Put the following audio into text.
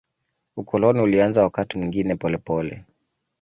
Ukoloni ulianza wakati mwingine polepole.